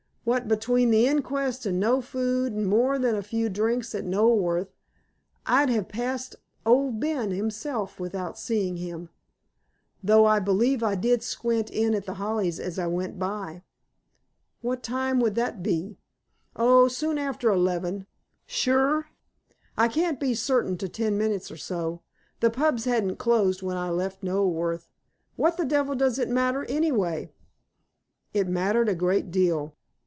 What between the inquest, an' no food, an' more than a few drinks at Knoleworth, I'd have passed Owd Ben himself without seeing him, though I believe I did squint in at The Hollies as I went by." "What time would that be?" "Oh, soon after eleven." "Sure." "I can't be certain to ten minutes or so. The pubs hadn't closed when I left Knoleworth. What the devil does it matter, anyhow?" It mattered a great deal.